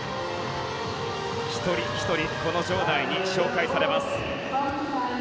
一人ひとり場内に紹介されます。